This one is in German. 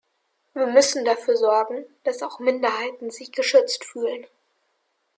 Wir müssen dafür sorgen, dass auch Minderheiten sich geschützt fühlen.